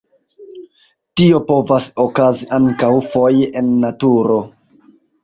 Tio povas okazi ankaŭ foje en naturo.